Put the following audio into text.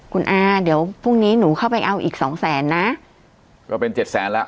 คุณอาเดี๋ยวพรุ่งนี้หนูเข้าไปเอาอีกสองแสนนะก็เป็นเจ็ดแสนแล้ว